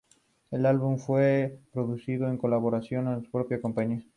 El álbum fue producido en colaboración con su propia compañía.